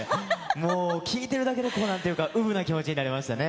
もう、聞いてるだけで、こうなんていうか、うぶな気持ちになれましたね。